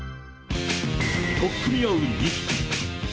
取っ組み合う２匹。